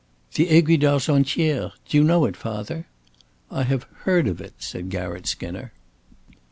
"The Aiguille d'Argentière. Do you know it, father?" "I have heard of it," said Garratt Skinner.